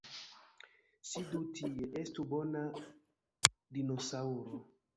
Sidu tie! Estu bona dinosaŭro!